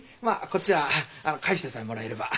こっちは返してさえもらえれば。